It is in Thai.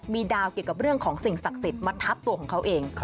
มีดาวเกี่ยวกับเรื่องของสิ่งศักดิ์สิทธิ์มาทับตัวของเขาเอง